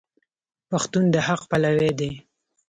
پښتون د حق پلوی دی.